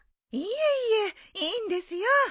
いえいえいいんですよ。